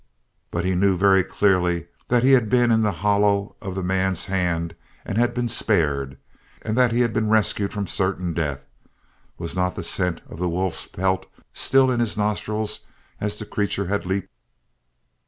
But he knew, very clearly, that he had been in the hollow of the man's hand and had been spared; and that he had been rescued from certain death; was not the scent of the wolf's pelt still in his nostrils as the creature had leaped?